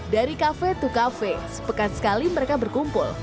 dari kafe ke kafe sepekan sekali mereka berkumpul